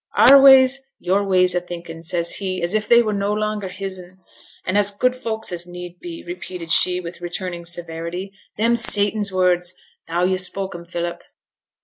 'Our ways your ways o' thinking, says he, as if they were no longer his'n. And as good folks as need be,' repeated she, with returning severity. 'Them's Satan's words, tho' yo' spoke 'em, Philip.